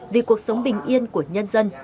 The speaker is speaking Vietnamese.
vì cuộc sống bình yên của nhân dân